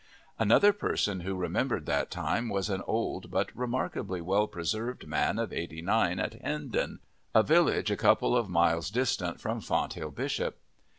Another person who remembered that time was an old but remarkably well preserved man of eighty nine at Hindon, a village a couple of miles distant from Fonthill Bishop.